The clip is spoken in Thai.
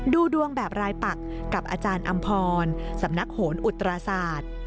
ดูดวงแบบรายปักกับอาจารย์อำพรสำนักโหนอุตราศาสตร์